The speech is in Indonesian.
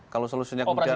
kalau solusinya kemudian